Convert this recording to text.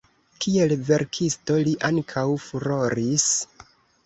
Kiel verkisto li ankaŭ furoris.